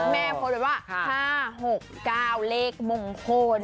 แม่พูดว่า๕๖๙เลขมงคล